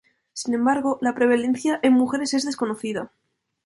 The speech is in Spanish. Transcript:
Sin embargo, la prevalencia en mujeres es desconocida.